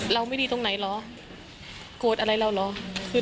เราไม่ดีตรงไหนเหรอโกรธอะไรเราเหรอ